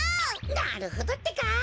なるほどってか。